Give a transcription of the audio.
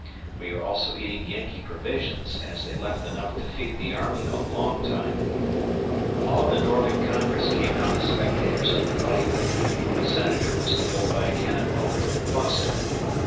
We are also eating Yankee provisions, as they left enough to feed the army a long time ... All of the Northern Congress came out as spectators of the fight. A Senator was killed by a cannon ball Foster.